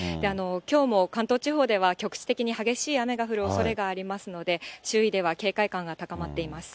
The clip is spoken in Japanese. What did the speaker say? きょうも関東地方では局地的に激しい雨が降るおそれがありますので、周囲では警戒感が高まっています。